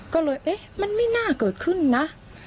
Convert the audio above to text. ก็เลยเอ๊ะมันไม่น่าเกิดขึ้นนะ